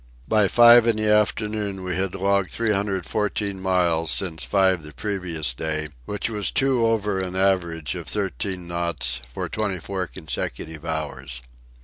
By five in the afternoon we had logged 314 miles since five the previous day, which was two over an average of thirteen knots for twenty four consecutive hours.